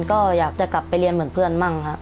ก็อยากจะกลับไปเรียนเหมือนเพื่อนมั่งครับ